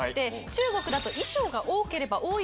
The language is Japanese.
中国だと。